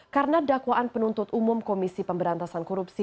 karena dakwaan penuntut umum komisi pemberantasan korupsi